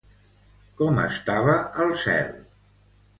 Com estava el cel?